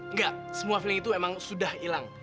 enggak semua feeling itu memang sudah hilang